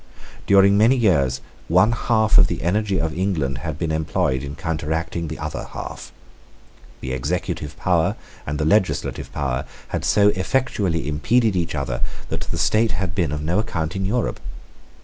During many years one half of the energy of England had been employed in counteracting the other half. The executive power and the legislative power had so effectually impeded each other that the state had been of no account in Europe.